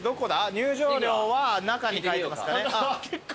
入場料は中に書いてますかね？